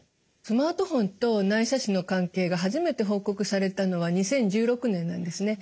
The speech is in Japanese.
スマートフォンと内斜視の関係が初めて報告されたのは２０１６年なんですね。